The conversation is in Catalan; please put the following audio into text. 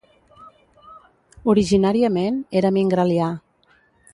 Originàriament era Mingrelià.